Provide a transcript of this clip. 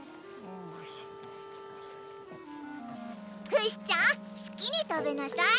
フシちゃんすきにたべなさい。